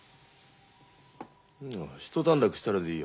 一段落したらでいいよ。